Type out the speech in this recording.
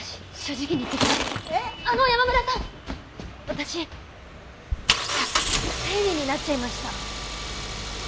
私生理になっちゃいました。